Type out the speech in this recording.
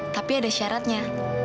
tapi ada syaratnya